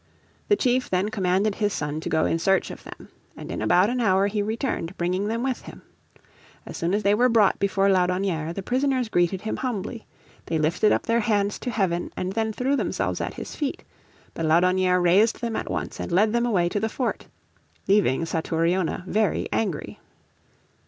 The chief then commanded his son to go in search of them, and in about an hour he returned bringing them with him. As soon as they were brought before Laudonnière the prisoners greeted him humbly. They lifted up their hands to heaven, and then threw themselves at his feet. But Laudonnière raised them at once, and led them away to the fort, leaving Satouriona very angry.